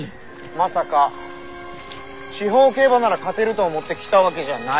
まさか地方競馬なら勝てると思って来たわけじゃないよね？